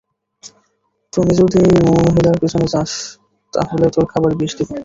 তুই যদি ওই মহিলার পিছনে যাস, তাহলে তোর খাবারে বিষ দিব।